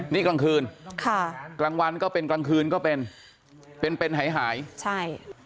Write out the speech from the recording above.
นี่กลางคืนค่ะกลางวันก็เป็นกลางคืนก็เป็นเป็นหายหายใช่